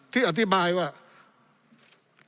ปี๑เกณฑ์ทหารแสน๒